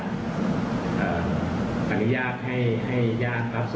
ที่เป็นที่เข้าใจนะครับ